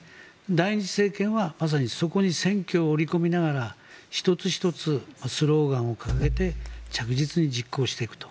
第２次政権は、まさにそこに選挙を織り込みながら１つ１つスローガンを掲げて着実に実行していくと。